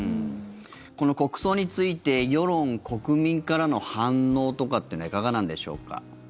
この国葬について世論、国民からの反応とかっていうのはいかがなんでしょうか。